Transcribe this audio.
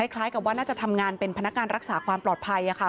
คล้ายกับว่าน่าจะทำงานเป็นพนักงานรักษาความปลอดภัยค่ะ